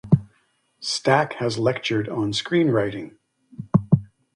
Stack has lectured on screenwriting.